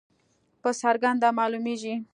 په څرګنده معلومیږي.